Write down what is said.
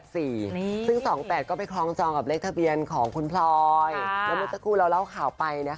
ซึ่ง๒๘ก็ไปคลองจองกับเลขทะเบียนของคุณพลอยแล้วเมื่อสักครู่เราเล่าข่าวไป